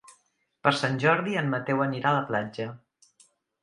Per Sant Jordi en Mateu anirà a la platja.